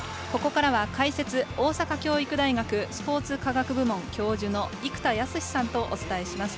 ここからは解説、大阪教育大学スポーツ科学部門教授の生田泰志さんとお伝えします。